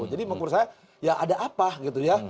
menurut saya ya ada apa gitu ya